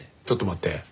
ちょっと待って。